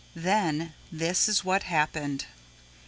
Then this is what happened.